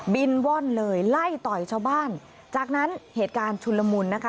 ว่อนเลยไล่ต่อยชาวบ้านจากนั้นเหตุการณ์ชุนละมุนนะคะ